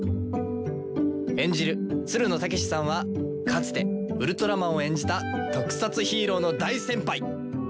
演じるつるの剛士さんはかつてウルトラマンを演じた特撮ヒーローの大先輩！